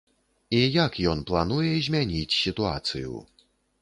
І як ён плануе змяніць сітуацыю?